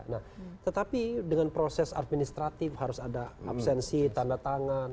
nah tetapi dengan proses administratif harus ada absensi tanda tangan